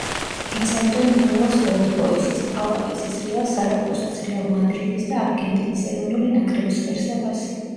იცავდა „ნიუელს ოლდ ბოისის“, „ალავესის“, „რეალ სარაგოსას“, „რეალ მადრიდის“ და არგენტინის ეროვნული ნაკრების ღირსებას.